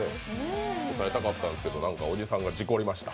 答えたかったけど、なんかおじさんが事故りました。